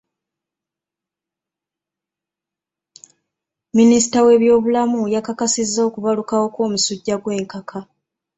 Minisita w'ebyobulamu yakakasizza okubalukawo kw'omusujja gw'enkaka.